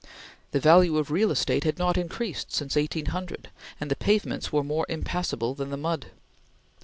The value of real estate had not increased since 1800, and the pavements were more impassable than the mud.